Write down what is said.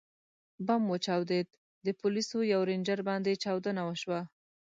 ـ بم وچاودېد، د پولیسو پر رینجر باندې چاودنه وشوه.